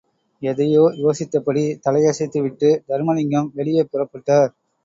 எதையோ யோசித்தபடி தலையசைத்துவிட்டு, தருமலிங்கம் வெளியே புறப்பட்டார்.